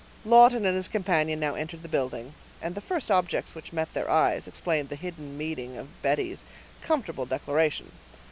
Lawton and his companion now entered the building, and the first objects which met their eyes explained the hidden meaning of Betty's comfortable declaration.